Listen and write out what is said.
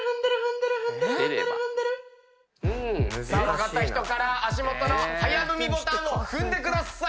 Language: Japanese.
分かった人から足元の早踏みボタンを踏んでください！